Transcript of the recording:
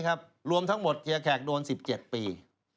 เป็นตัวเลขมัน๑๗ปี